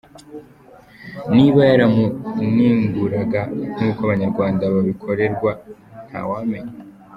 Niba yaramuninguraga nk’uko abanyarwanda babikorerwa ntawamenya!